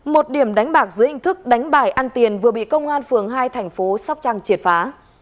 một điểm đánh bạc dưới hình thức đánh bài ăn tiền vừa bị công an phường hai thành phố sóc trăng triệt phá